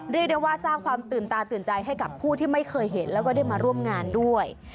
เรียกได้ว่าสร้างความตื่นตาตื่นใจให้กับผู้ที่ไม่เคยเห็นแล้วก็ได้มาร่วมงานด้วย